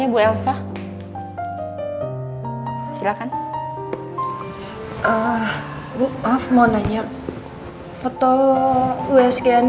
apa sih sama kamu western